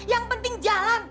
yang penting jalan